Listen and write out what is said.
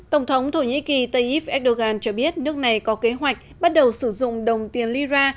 tổng thống thổ nhĩ kỳ tayyip erdogan cho biết nước này có kế hoạch bắt đầu sử dụng đồng tiền lira